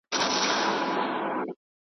ژوند دي له اوره په لمبه ویاړې .